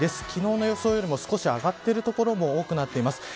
昨日の予想よりも少し上がっている所も多くなっています。